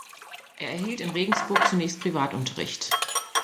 Er erhielt in Regensburg zunächst Privatunterricht.